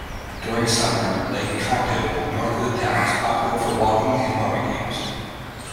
During summer, Lake Khanto north of the town is popular for walking and barbecues.